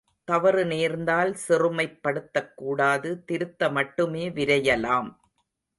தவறு நேர்ந்தால், சிறுமைப் படுத்தக்கூடாது திருத்த மட்டுமே விரையலாம்.